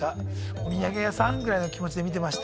お土産屋さんぐらいの気持ちで見てました。